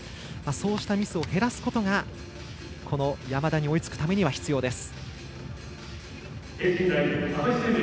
そうしたミスを減らすことが山田に追いつくためには必要です。